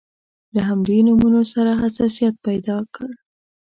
له همدې نومونو سره حساسیت پیدا کړ.